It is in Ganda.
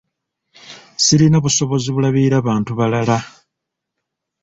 Sirina busobozi bulabirira bantu balala.